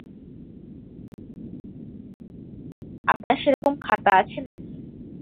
আপনার সেরকম খাতা আছে নাকি?